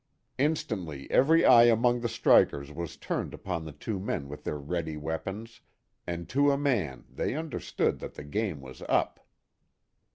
Instantly every eye among the strikers was turned upon the two men with their ready weapons, and to a man they understood that the game was up.